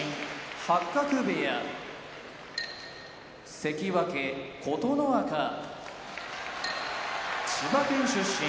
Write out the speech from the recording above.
八角部屋関脇・琴ノ若千葉県出身